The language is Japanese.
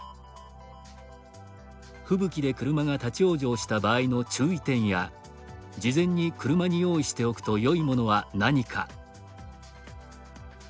吹雪で車が立ち往生した場合の注意点や事前に車に用意しておくとよいものは何か。